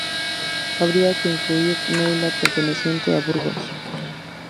Habría que incluir Neila, perteneciente a Burgos.